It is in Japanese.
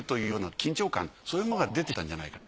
緊張感そういうものが出てしまったんじゃないか。